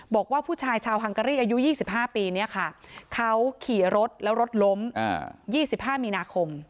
บอกว่าผู้ชายชาวฮังการีอายุ๒๕ปีเนี่ยค่ะเขาขี่รถแล้วรถล้ม๒๕มีนาคม